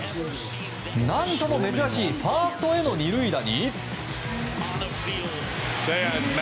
何とも珍しいファーストへの２塁打に。